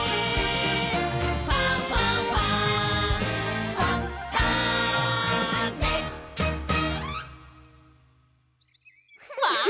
「ファンファンファン」わお！